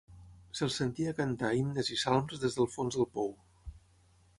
Se'ls sentia cantar himnes i salms des del fons del pou.